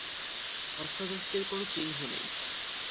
ধস্তাধস্তির কোনও চিহ্ন নেই।